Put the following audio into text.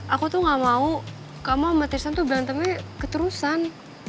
aku tuh gak mau kamu sama tirisan tuh berantemnya keterusan